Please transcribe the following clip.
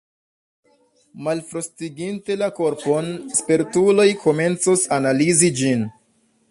Malfrostiginte la korpon, spertuloj komencos analizi ĝin.